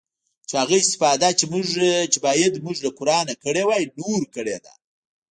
چې هغه استفاده چې بايد موږ له قرانه کړې واى نورو کړې ده.